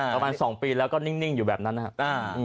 ประมาณ๒ปีแล้วก็นิ่งอยู่แบบนั้นนะครับ